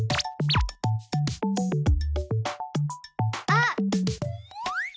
あっ！